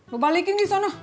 mau balikin disana